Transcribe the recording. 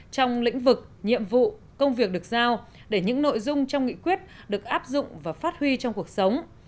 trong lĩnh vực nhiệm vụ công việc được giao để những nội dung trong nghị quyết được áp dụng và phát huy trong cuộc sống